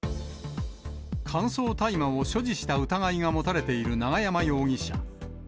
乾燥大麻を所持した疑いが持たれている永山容疑者。